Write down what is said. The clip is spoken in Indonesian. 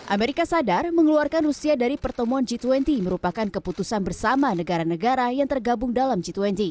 amerika sadar mengeluarkan rusia dari pertemuan g dua puluh merupakan keputusan bersama negara negara yang tergabung dalam g dua puluh